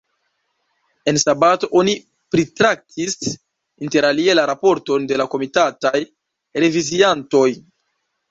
En sabato oni pritraktis interalie la raporton de la komitataj reviziantoj.